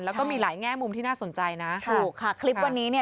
แล้วก็มีหลายแง่มุมที่น่าสนใจนะถูกค่ะคลิปวันนี้เนี่ย